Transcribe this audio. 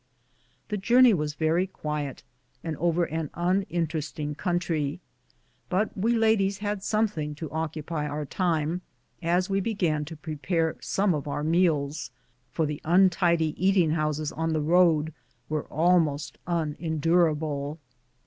The journey was very quiet and over an uninteresting country, but we ladies had something to occupy our time, as we began to prepare some of our meals, for the untidy eating houses on the road were almost unendur able.